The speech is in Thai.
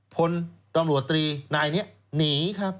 พลตำรวจตรีนายนี้หนีครับ